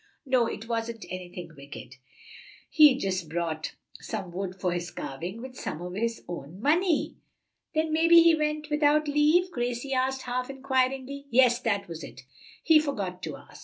"No; it wasn't anything wicked; he just bought some wood for his carving with some of his own money." "But maybe he went without leave?" Gracie said, half inquiringly. "Yes, that was it; he forgot to ask.